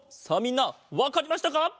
さあみんなわかりましたか？